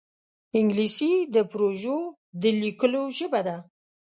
انګلیسي د پروژو د لیکلو ژبه ده